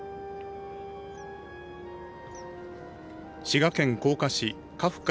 滋賀県甲賀市鹿深